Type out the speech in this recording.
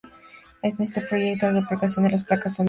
Está en proyecto la duplicación de las placas solares instaladas.